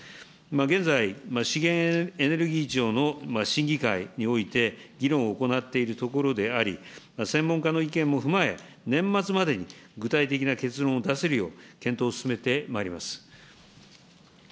現在、資源エネルギー庁の審議会において、議論を行っているところであり、専門家の意見も踏まえ、年末までに具体的な結論を出せるよう、検討を進めてまいります。